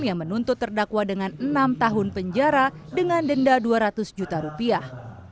yang menuntut terdakwa dengan enam tahun penjara dengan denda dua ratus juta rupiah